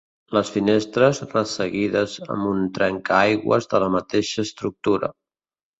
Les finestres, resseguides amb un trencaaigües de la mateixa estructura.